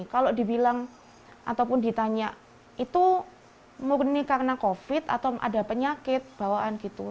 kalau dibilang ataupun ditanya itu murni karena covid atau ada penyakit bawaan gitu